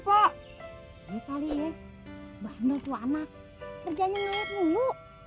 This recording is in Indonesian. kok kali ya bando tuhan nah kerjanya ngeliat dulu